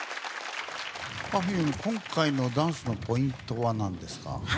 今回のダンスのポイントは何ですか？